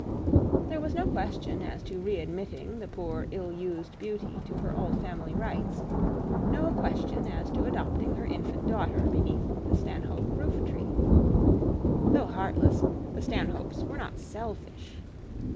There was no question as to re admitting the poor ill used beauty to her old family rights, no question as to adopting her infant daughter, beneath the Stanhope roof tree. Though heartless, the Stanhopes were not selfish.